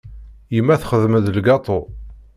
Yemma txeddem-d lgaṭu.